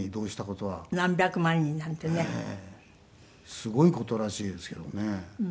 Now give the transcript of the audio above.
すごい事らしいですけどね。